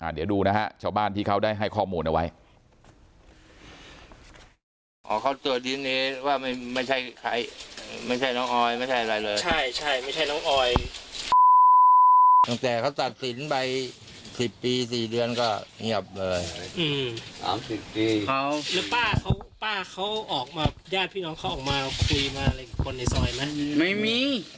เดี๋ยวดูนะฮะชาวบ้านที่เขาได้ให้ข้อมูลเอาไว้